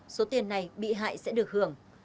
số tiền này bị hại sẽ được hưởng